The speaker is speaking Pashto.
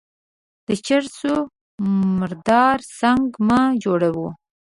د چر سو مردار سنگ مه جوړوه.